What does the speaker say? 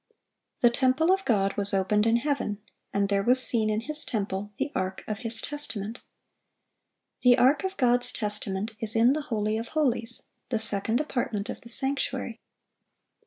] "The temple of God was opened in heaven, and there was seen in His temple the ark of His testament."(716) The ark of God's testament is in the holy of holies, the second apartment of the sanctuary.